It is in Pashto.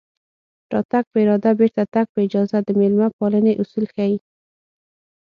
راتګ په اراده بېرته تګ په اجازه د مېلمه پالنې اصول ښيي